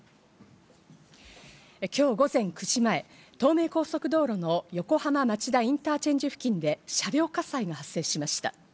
今日午前９時前、東名高速道路の横浜町田インターチェンジ付近で車両火災が発生しました。